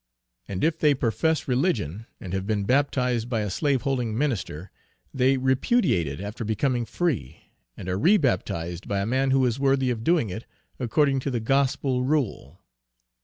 And if they profess religion, and have been baptized by a slaveholding minister, they repudiate it after becoming free, and are re baptized by a man who is worthy of doing it according to the gospel rule.